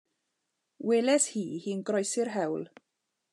Weles i hi'n croesi'r hewl.